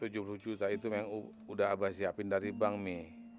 rp tujuh puluh juta itu memang udah abah siapin dari bank mi